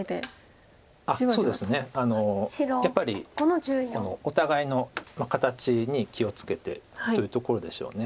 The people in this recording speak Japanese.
やっぱりお互いの形に気を付けてというところでしょう。